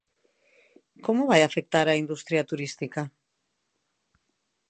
¿Como vai afectar á industria turística?